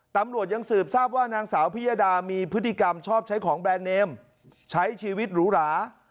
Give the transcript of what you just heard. ตำรวจยังสืบทราบว่านางสาวพิยดามีพฤติกรรมชอบใช้ของแบรนด์เนมใช้ชีวิตหรูหรา